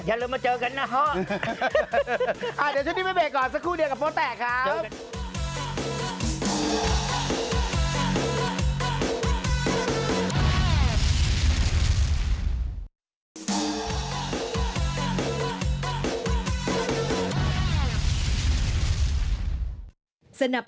อย่าลืมมาเจอกันนะฮ่อ